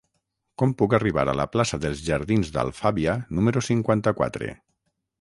Com puc arribar a la plaça dels Jardins d'Alfàbia número cinquanta-quatre?